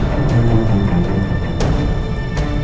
kamu bisa jadiin keras